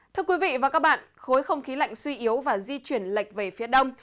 thưa quý vị và các bạn khối không khí lạnh suy yếu và di chuyển lệch về phía đông